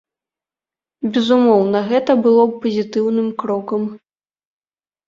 Безумоўна, гэта было б пазітыўным крокам.